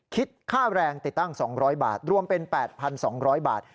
คิดค่าแรงติดตั้ง๒๐๐บาทรวมเป็น๘๒๐๐บาท